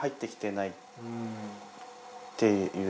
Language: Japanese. っていう